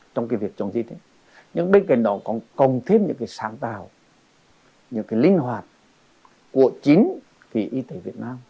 trong cái việc chống dịch những bên cạnh đó còn còn thêm những sáng tạo những linh hoạt của chính vì y tế việt nam